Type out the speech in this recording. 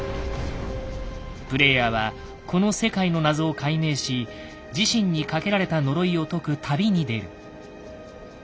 プレイヤーはこの世界の謎を解明し自身にかけられた呪いを解く旅に出る。